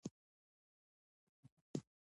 کابل اوس لږ پرچاویني ویني.